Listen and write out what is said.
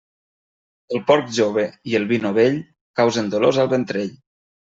El porc jove i el vi novell causen dolors al ventrell.